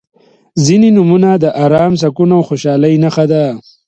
• ځینې نومونه د ارام، سکون او خوشحالۍ نښه ده.